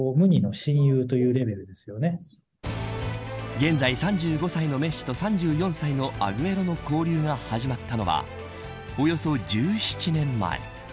現在、３５歳のメッシと３４歳のアグエロの交流が始まったのはおよそ１７年前。